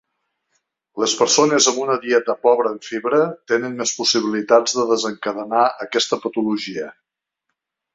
Les persones amb una dieta pobra en fibra tenen més possibilitats de desencadenar aquesta patologia.